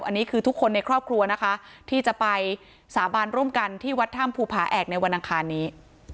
อันนี้คือทุกคนในครอบครัวนะคะที่จะไปสาบานร่วมกันที่วัดถ้ำภูผาแอกในวันอังคารนี้